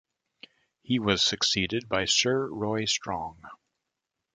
He was succeeded by Sir Roy Strong.